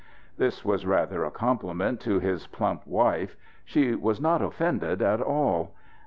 This was rather a compliment to his plump wife. She was not offended at all.